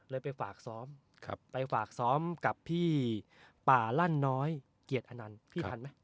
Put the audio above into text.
ไปฝากซ้อมไปฝากซ้อมกับพี่ป่าลั่นน้อยเกียรติอนันต์พี่ทันไหม